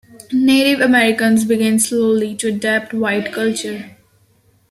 Native Americans began slowly to adopt white culture.